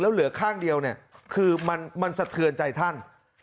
แล้วเหลือข้างเดียวคือมันสะเทือนใจท่าน